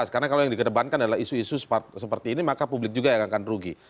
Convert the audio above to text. karena kalau yang dikedebankan adalah isu isu seperti ini maka publik juga yang akan rugi